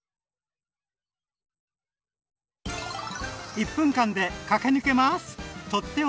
１分間で駆け抜けます！